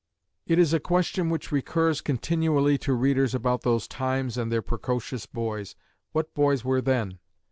It is a question which recurs continually to readers about those times and their precocious boys, what boys were then?